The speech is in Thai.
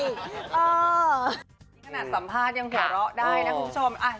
นี่ขนาดสัมภาษณ์ยังหัวเราะได้นะคุณผู้ชม